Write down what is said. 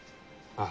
ああ。